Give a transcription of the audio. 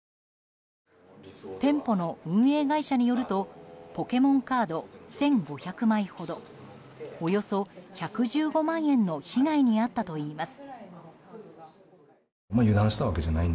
店舗の運営会社によるとポケモンカード１５００枚ほどおよそ１１５万円の被害に遭ったといいます。